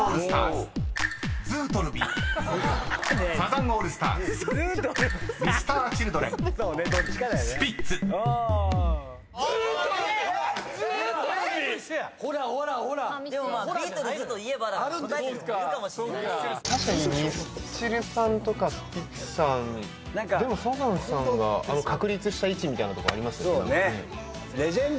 でもサザンさんが確立した位置みたいなとこありますよね。